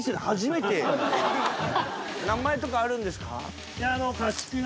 名前とかあるんですか？